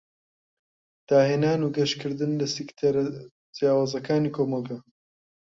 داهێنان و گەشکردن لە سیکتەر جیاوازەکانی کۆمەلگا.